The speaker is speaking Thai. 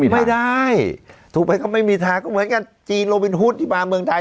ไม่ได้ถูกไหมก็ไม่มีทางก็เหมือนกันจีนโลวินฮุดที่มาเมืองไทย